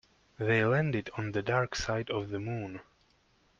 They landed on the dark side of the moon.